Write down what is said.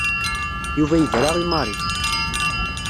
Yuba yebra i Mary.